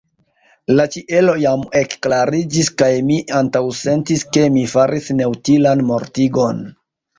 La ĉielo jam ekklariĝis, kaj mi antaŭsentis, ke mi faris neutilan mortigon.